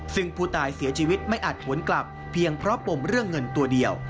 ซึ่งผู้ตายเสียชีวิตไม่อาจหวนกลับเพียงเพราะปมเรื่องเงินตัวเดียว